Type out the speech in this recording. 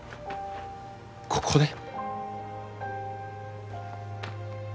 ここで？